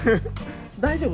大丈夫？